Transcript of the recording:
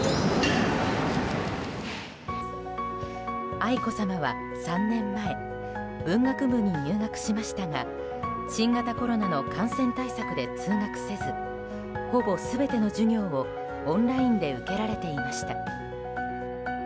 愛子さまは３年前文学部に入学しましたが新型コロナの感染対策で通学せずほぼ全ての授業をオンラインで受けられていました。